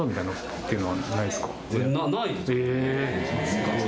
え。